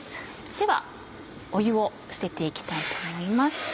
では湯を捨てて行きたいと思います。